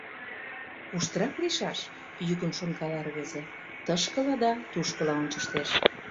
— Куштырак лийшаш? — йӱкын шонкала рвезе, тышкыла да тушкыла ончыштеш.